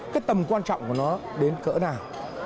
cái tầm quan trọng của nó đến cỡ nào